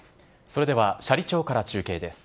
それでは斜里町から中継です。